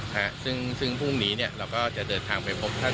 ฮะซึ่งซึ่งพรุ่งนี้เนี่ยเราก็จะเดินทางไปพบท่าน